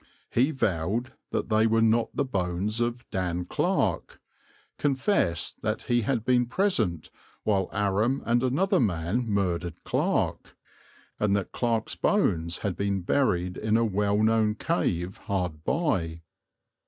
He vowed that they were not the bones of "Dan Clarke," confessed that he had been present while Aram and another man murdered Clarke, and that Clarke's bones had been buried in a well known cave hard by.